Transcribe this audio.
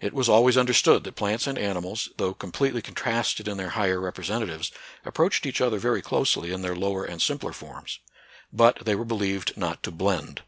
It was always understood that plants and anim^ils, though completely contrasted in their higher representatives, approached each NATURAL SCIENCE AND RELIGION. 11 other very closely in their lower and simpler forms. But they were believed not to blend.